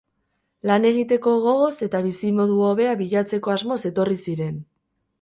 Lan egiteko gogoz eta bizimodu hobea bilatzeko asmoz etorri ziren.